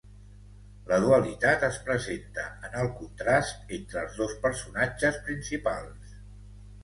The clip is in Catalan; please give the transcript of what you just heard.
La dualitat es presenta en el contrast entre els dos personatges principals.